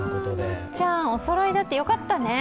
Ｂｏｏｎａちゃん、おそろいだって、よかったね。